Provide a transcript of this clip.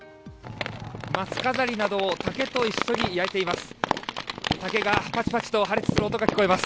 松飾りなどを竹と一緒に焼いています。